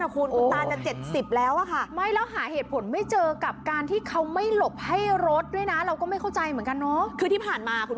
เขามีคนป่วยใช่มั้ย